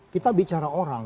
kita bicara orang